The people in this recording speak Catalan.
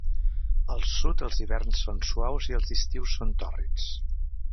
Al sud, els hiverns són suaus i els estius són tòrrids.